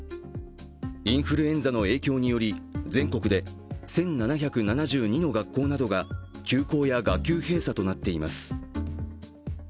インフルエンザの影響により全国で１７７２の学校などが休校や学級閉鎖となっています。